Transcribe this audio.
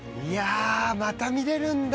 また見られるんだ？